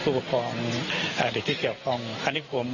ผู้ปกครองเด็กที่เกี่ยวข้องคณิคม